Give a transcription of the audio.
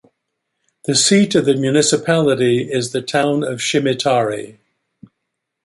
The seat of the municipality is the town Schimatari.